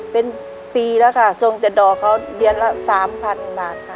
เป็นปีแล้วค่ะส่วนจัดด่อเขาเดียนละสามพันบาทค่ะ